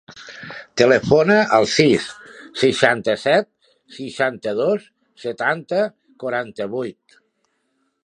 Telefona al sis, seixanta-set, seixanta-dos, setanta, quaranta-vuit.